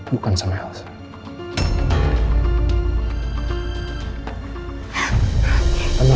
bukan sama yang lain